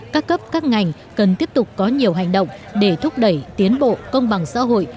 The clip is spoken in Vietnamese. các cấp các ngành cần tiếp tục có nhiều hành động để thúc đẩy tiến bộ công bằng xã hội